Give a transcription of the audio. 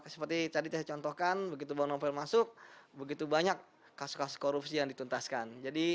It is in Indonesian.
seperti tadi saya contohkan begitu bang novel masuk begitu banyak kasus kasus korupsi yang dituntaskan